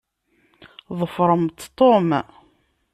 Ḍefṛemt Tom!